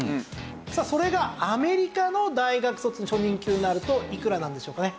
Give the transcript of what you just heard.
さあそれがアメリカの大学卒の初任給になるといくらなんでしょうかね？